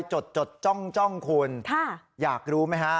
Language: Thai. จดจ้องคุณอยากรู้ไหมฮะ